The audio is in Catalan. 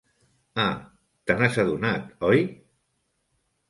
Ah, te n'has adonat, oi?